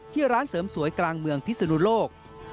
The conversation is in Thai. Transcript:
ร้านเสริมสวยกลางเมืองพิศนุโลก